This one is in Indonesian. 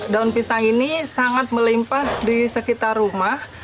daun pisang ini sangat melimpah di sekitar rumah